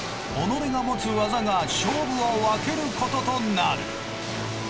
己が持つ技が勝負を分けることとなる。